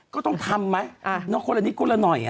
ก็ต้องทำไหมคนละนิดคนละหน่อย